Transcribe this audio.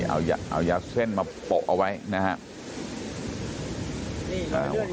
เอายาเส้นมาโปะเอาไว้นะครับ